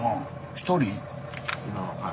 １人？